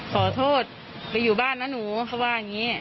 ขอโทษไปอยู่บ้านนะหนูเขาว่าอย่างนี้